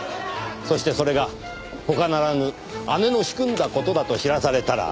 そしてそれが他ならぬ姉の仕組んだ事だと知らされたら。